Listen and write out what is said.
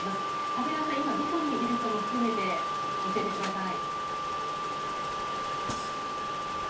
長谷川さん、今どこにいるかも含めて教えてください。